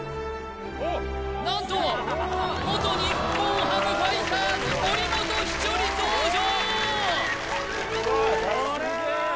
何と元日本ハムファイターズ森本稀哲登場！